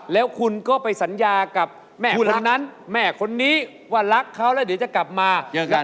แล้วคุณก็ไปสัญญากับแม่คนนั้นแม่คนนี้ว่ารักเขาแล้วเดี๋ยวจะกลับมา